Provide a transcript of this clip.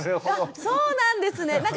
あっそうなんですね。